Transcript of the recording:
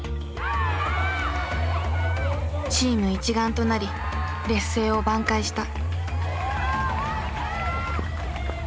チーム一丸となり劣勢を挽回した。